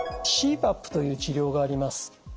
ＣＰＡＰという治療があります。